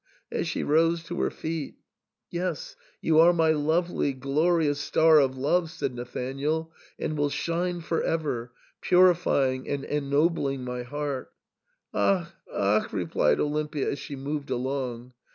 as she rose to her feet "Yes, you are my lovely, glorious star of love," said Nathanael, " and will shine for ever, purifying and ennobling my heart" "Ach ! Ach !" replied Olimpia, as she moved along.